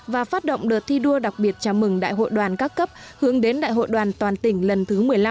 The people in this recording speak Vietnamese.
và phát động đợt thi đua đặc biệt chào mừng đại hội đoàn các cấp hướng đến đại hội đoàn toàn tỉnh lần thứ một mươi năm